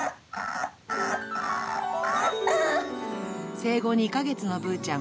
生後２か月のぶーちゃん。